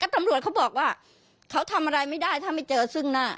ตำรวจเขาบอกว่าเขาทำอะไรไม่ได้ถ้าไม่เจอซึ่งหน้า